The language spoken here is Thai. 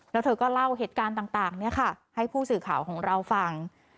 แล้วเธอก็เล่าเหตุการณ์ต่างให้ผู้สื่อข่าวของเราฟัง